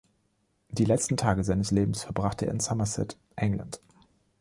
Die letzten Tage seines Lebens verbrachte er in Somerset, England.